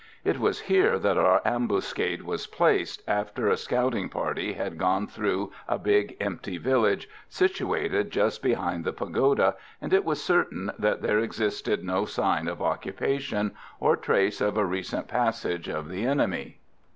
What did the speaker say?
It was here that our ambuscade was placed, after a scouting party had gone through a big empty village, situated just behind the pagoda, and it was certain that there existed no sign of occupation, or trace of a recent passage of the enemy.